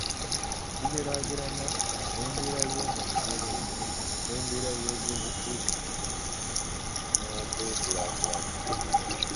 okugeraageranya embeera y’omu lugero olwo n’embeera y’ebyobufuzi n’okwekulaakulanya